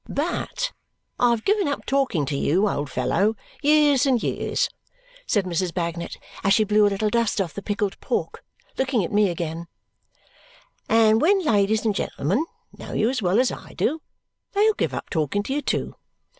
"But I have given up talking to you, old fellow, years and years," said Mrs. Bagnet as she blew a little dust off the pickled pork, looking at me again; "and when ladies and gentlemen know you as well as I do, they'll give up talking to you too.